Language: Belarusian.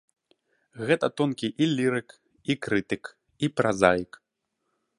Гэта тонкі і лірык, і крытык, і празаік.